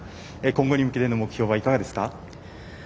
今後に向けての目標はいかがですか。